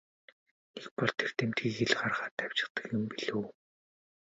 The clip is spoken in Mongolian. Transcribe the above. Нэг бол тэр тэмдгийг ил гаргаад тавьчихдаг юм билүү.